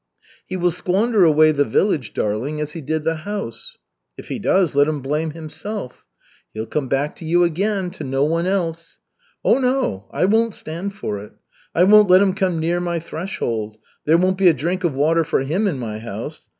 "He will squander away the village, darling, as he did the house." "If he does, let him blame himself." "He'll come back to you, again, to no one else." "Oh, no, I won't stand for it. I won't let him come near my threshold. There won't be a drink of water for him in my house.